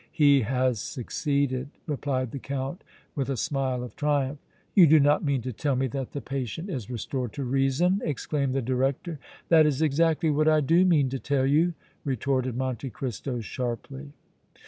"He has succeeded!" replied the Count, with a smile of triumph. "You do not mean to tell me that the patient is restored to reason!" exclaimed the director. "That is exactly what I do mean to tell you!" retorted Monte Cristo, sharply.